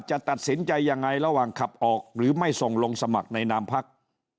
จะตัดสินใจยังไงระหว่างขับออกหรือไม่ส่งลงสมัครในนามพัก